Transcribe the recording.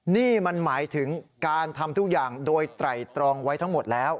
นี่มันหมายถึงการทำทุกอย่างโดยไตรตรองไว้ทั้งหมดแล้ว